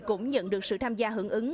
cũng nhận được sự tham gia hứng ứng